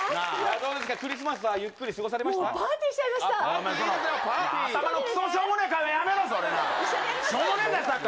どうですか、クリスマスはゆっくり過ごされましたか？